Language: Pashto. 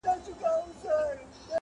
له خولې دي د رقیب د حلوا بوئ راځي ناصحه!